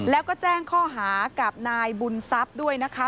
แล้วก็แจ้งข้อหากับนายบุญทรัพย์ด้วยนะคะ